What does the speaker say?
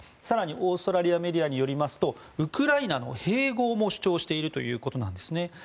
更にオーストラリアメディアによりますとウクライナの併合も主張しているということなんですね。